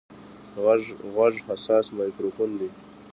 غوږ حساس مایکروفون دی.